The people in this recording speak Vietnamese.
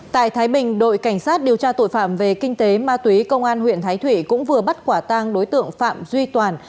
tại thái bình đội cảnh sát điều tra tội phạm về kinh tế ma túy công an huyện thái thụy cũng vừa bắt quả tang đối tượng phạm duy toàn